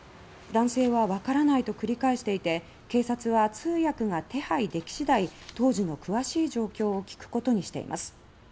男性は「わからない」と繰り返していて警察は、通訳が手配でき次第当時の詳しい状況を聞くことにしています。